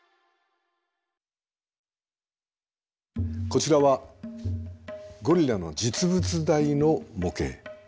こちらはゴリラの実物大の模型。